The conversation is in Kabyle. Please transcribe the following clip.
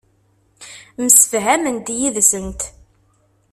Msefhament yid-sent.